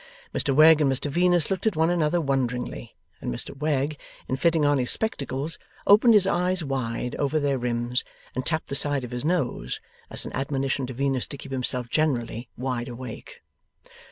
Mr Wegg and Mr Venus looked at one another wonderingly: and Mr Wegg, in fitting on his spectacles, opened his eyes wide, over their rims, and tapped the side of his nose: as an admonition to Venus to keep himself generally wide awake.